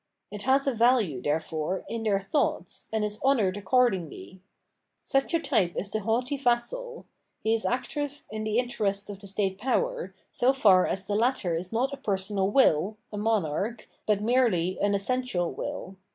It has a value, therefore, in their thoughts, and is honoured_ accord iugly. Such a type is the haughty vassal; he is active in the interests of the state power, so far as the latter is not a personal will [a monarch] but merely an essential will.